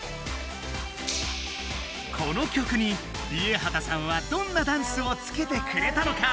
この曲にＲＩＥＨＡＴＡさんはどんなダンスをつけてくれたのか？